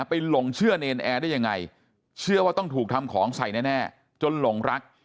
หลงเชื่อเนรนแอร์ได้ยังไงเชื่อว่าต้องถูกทำของใส่แน่จนหลงรัก